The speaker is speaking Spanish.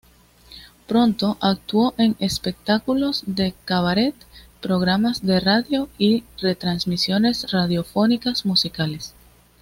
Pronto actuó en espectáculos de cabaret, programas de radio y retransmisiones radiofónicas musicales.